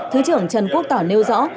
thứ trưởng trần quốc tỏ nêu rõ